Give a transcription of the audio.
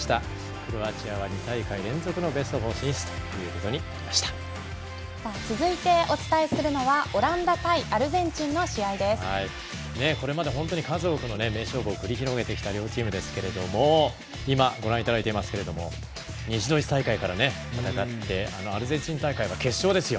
クロアチアは２大会連続のベスト４進出さあ、続いてお伝えするのはオランダ対アルゼンチンのこれまで本当に数多くの名勝負、繰り広げてきた両チームですが今ご覧いただいていますけれども西ドイツ大会から戦ってアルゼンチン大会は決勝ですよ。